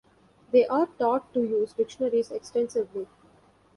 They are taught to use dictionaries extensively.